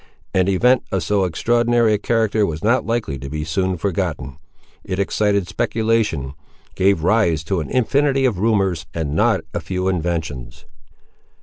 An event of so extraordinary a character was not likely to be soon forgotten. It excited speculation, gave rise to an infinity of rumours, and not a few inventions.